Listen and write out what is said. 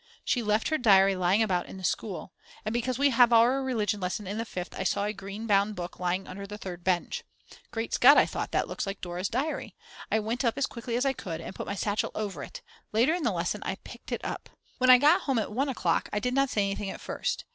She left her diary lying about in the school; and because we have our religion lesson in the Fifth I saw a green bound book lying under the third bench. Great Scott, I thought, that looks like Dora's diary. I went up as quickly as I could and put my satchel over it. Later in the lesson I picked it up. When I got home at 1 o'clock I did not say anything at first.